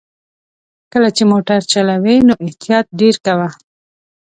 کله چې موټر چلوې نو احتياط ډېر کوه!